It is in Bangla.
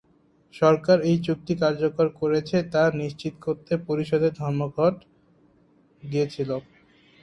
সরকার এই চুক্তি কার্যকর করেছে তা নিশ্চিত করতে পরিষদ ধর্মঘটে গিয়েছিল।